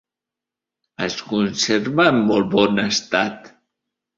Es conserva en molt bon estat.